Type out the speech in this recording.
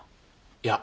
いや。